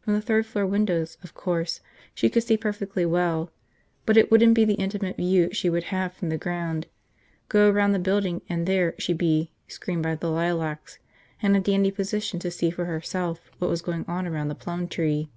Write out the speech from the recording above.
From the third floor windows, of course, she could see perfectly well but it wouldn't be the intimate view she would have from the ground. Go around the building and there she'd be, screened by the lilacs, in a dandy position to see for herself what was going on around the plum tree.